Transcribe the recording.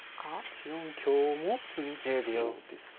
１四香も詰みそうですね